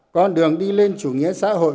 con đường đi lên chủ nghĩa xã hội